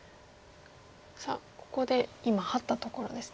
さあここで今ハッたところですね。